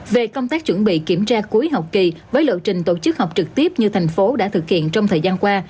về công tác chuẩn bị kiểm tra cuối học kỳ với lộ trình tổ chức học trực tiếp như thành phố đã thực hiện trong thời gian qua